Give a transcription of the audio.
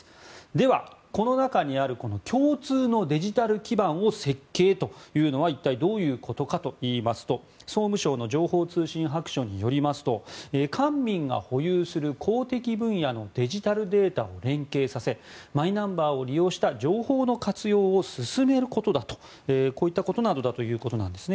では、この中にある共通のデジタル基盤を設計というのは一体どういうことかというと総務省の情報通信白書によりますと官民が保有する公的分野のデジタルデータを連携させマイナンバーを利用した情報の活用を進めることだとなどだということです。